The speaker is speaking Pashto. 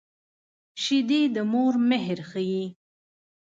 شیدې د مور مهر ښيي